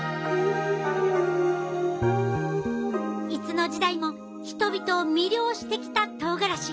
いつの時代も人々を魅了してきたとうがらし。